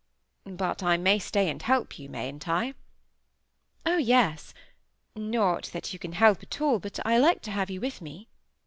"But I may stay and help you, mayn't I?" "Oh, yes; not that you can help at all, but I like to have you with me."